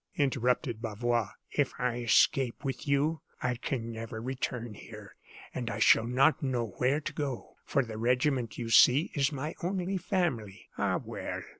interrupted Bavois. "If I escape with you, I can never return here; and I shall not know where to go, for the regiment, you see, is my only family. Ah, well!